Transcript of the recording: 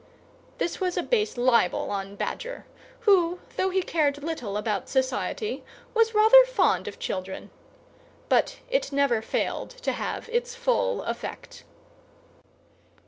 This was a base libel on Badger, who, though he cared little about Society, was rather fond of children; but it never failed to have its full effect.